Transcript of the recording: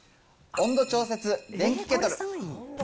温度調節電気ケトル。